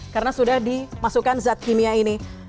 karena sudah dimasukkan zat kimia ini